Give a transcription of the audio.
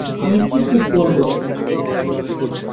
আমি কী বলবো?